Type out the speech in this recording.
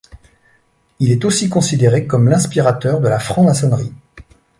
Il est aussi considéré comme l'inspirateur de la franc-maçonnerie.